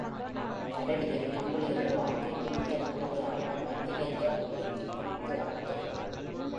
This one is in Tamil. கரடியைக் கம்பளியென்று ஆற்றில் குதித்தவன் கதையாக வஞ்சனை இயல்பு இறுக்கிப் பிணித்து ஆழ்த்துகிறது.